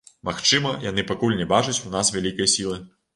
Магчыма, яны пакуль не бачаць у нас вялікай сілы.